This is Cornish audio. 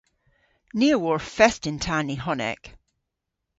Ni a wor fest yn ta Nihonek.